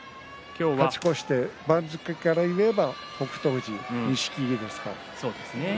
番付からいえば北勝富士、錦木ですから。